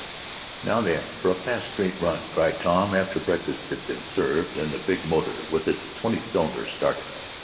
"Now then for a fast, straight run!" cried Tom, after breakfast had been served, and the big motor, with its twenty cylinders, started.